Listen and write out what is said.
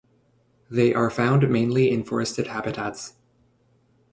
They are found mainly in forested habitats.